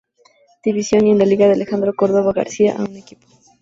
División y en la Liga de Alejandro Córdova García a un equipo.